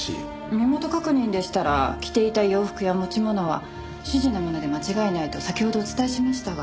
身元確認でしたら着ていた洋服や持ち物は主人のもので間違いないと先ほどお伝えしましたが。